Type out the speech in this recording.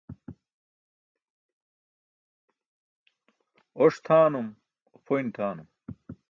Oṣ tʰaanum, upʰoyn tʰaanum.